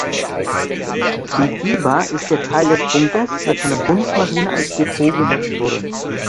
Begehbar ist der Teil des Bunkers, der von der Bundesmarine als Depot genutzt wurde.